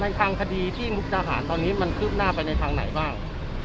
ทางคดีที่มุกดาหารตอนนี้มันคืบหน้าไปในทางไหนบ้าง